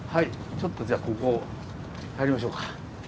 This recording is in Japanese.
ちょっとじゃあここ入りましょうか。